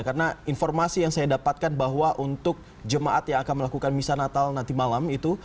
karena informasi yang saya dapatkan bahwa untuk jemaat yang akan melakukan misa natal nanti malam itu